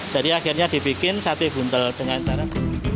jadi akhirnya dibikin sate buntel dengan cara